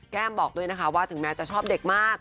บอกด้วยนะคะว่าถึงแม้จะชอบเด็กมาก